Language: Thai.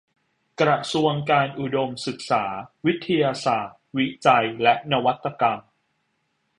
กระทรวงการอุดมศึกษา วิทยาศาสตร์ วิจัยและนวัตกรรม